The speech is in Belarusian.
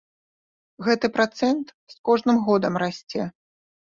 Гэты працэнт з кожным годам расце.